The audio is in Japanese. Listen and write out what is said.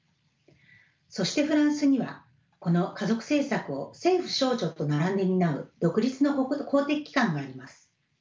そしてフランスにはこの家族政策を政府省庁と並んで担う独立の公的機関があります。